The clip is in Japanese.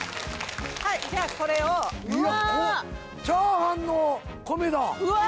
はいじゃあこれをチャーハンの米だうわあ